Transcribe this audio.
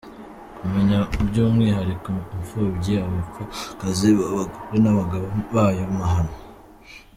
– Kumenya by’umwihariko imfumbyi, abapfakazi b’abagore n’abagabo b’ayo mahano